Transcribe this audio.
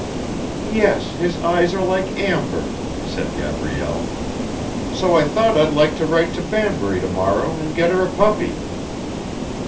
"Yes, his eyes are like amber," said Gabrielle. "So I thought I'd like to write to Banbury to morrow and get her a puppy."